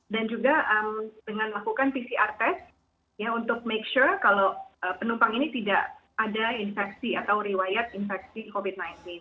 dan juga dengan melakukan pcr test ya untuk make sure kalau penumpang ini tidak ada infeksi atau riwayat infeksi covid sembilan belas